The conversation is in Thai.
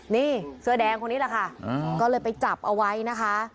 นี่เสื้อแดงคนนี้แหละค่ะก็เลยไปจับเอาไว้นะคะ